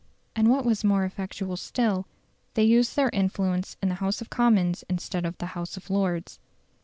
And what was more effectual still, they used their influence in the House of Commons instead of the House of Lords.